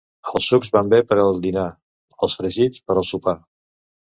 Els sucs van bé per al dinar. Els fregits per al sopar.